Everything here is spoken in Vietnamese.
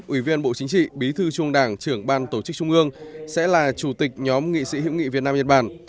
ủy viên bộ chính trị bí thư trung đảng trưởng ban tổ chức trung ương sẽ là chủ tịch nhóm nghị sĩ hữu nghị việt nam nhật bản